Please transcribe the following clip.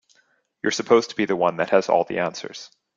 You're supposed to be the one that has all the answers.